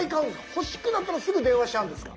欲しくなったらすぐ電話しちゃうんですか？